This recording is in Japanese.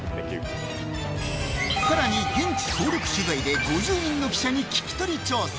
さらに現地総力取材で５０人の記者に聞き取り調査。